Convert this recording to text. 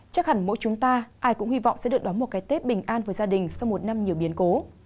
chắc hẳn mỗi chúng ta ai cũng hy vọng sẽ được đón một cái tết bình an với gia đình sau một năm nhiều biến cố